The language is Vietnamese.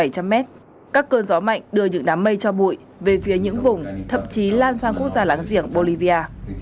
các cơn gió mạnh đưa những đám mây cho bụi về phía những vùng thậm chí lan sang quốc gia láng giềng bolivia